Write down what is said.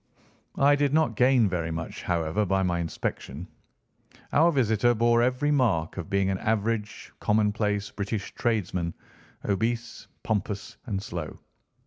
I did not gain very much, however, by my inspection. Our visitor bore every mark of being an average commonplace British tradesman, obese, pompous, and slow.